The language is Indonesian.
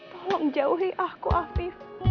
tolong jauhi aku afif